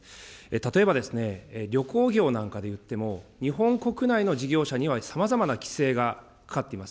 例えばですね、旅行業なんかでいっても、日本国内の事業者にはさまざまな規制がかかっています。